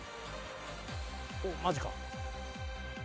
おっマジか。